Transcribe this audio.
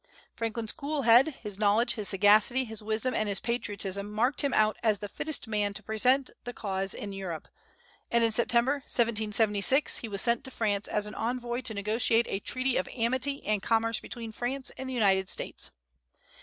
Franklin's cool head, his knowledge, his sagacity, his wisdom, and his patriotism marked him out as the fittest man to present the cause in Europe, and in September, 1776, he was sent to France as an envoy to negotiate a treaty of amity and commerce between France and the United States.